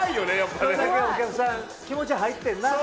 それだけお客さん気持ち入ってんな。